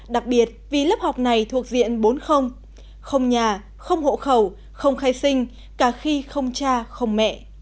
đặc biệt vì lớp học này thuộc diện bốn không nhà không hộ khẩu không khai sinh cả khi không cha không mẹ